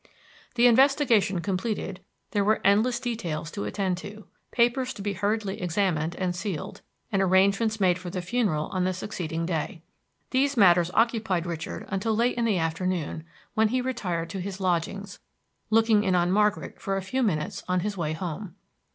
The investigation completed, there were endless details to attend to, papers to be hurriedly examined and sealed, and arrangements made for the funeral on the succeeding day. These matters occupied Richard until late in the afternoon, when he retired to his lodgings, looking in on Margaret for a few minutes on his way home.